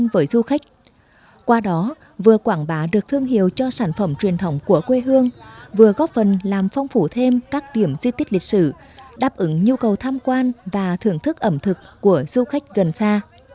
với đó vừa quảng bá được thương hiệu cho sản phẩm truyền thống của quê hương vừa góp phần làm phong phủ thêm các điểm di tích lịch sử đáp ứng nhu cầu tham quan và thưởng thức ẩm thực của du khách gần xa